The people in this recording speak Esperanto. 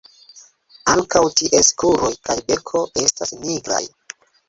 Ankaŭ ties kruroj kaj beko estas nigraj.